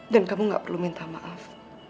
dan kamu gak perlu minta maaf